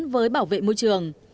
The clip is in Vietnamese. với bảo vệ môi trường